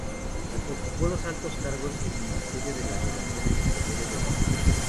Ocupó altos cargos en Ministerio de las Relaciones Exteriores de Brasil.